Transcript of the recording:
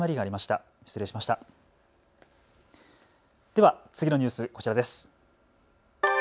では次のニュース、こちらです。